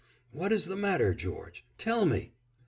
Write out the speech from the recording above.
"What is the matter, George? Tell me."